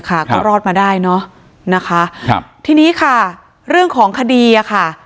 แม่งจะรอดมาได้เนาะนะคะที่นี้ค่ะเรื่องของคดีอ่าค่ะ